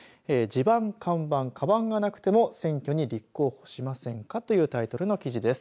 地盤看板かばんがなくても選挙に立候補しませんか？というタイトルの記事です。